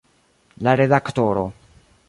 La redaktoro.